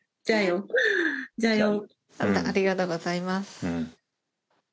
ありがとうございます。